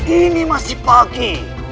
ini masih pagi